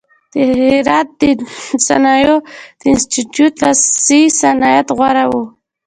د هرات د صنایعو د انستیتیوت لاسي صنعت غوره و.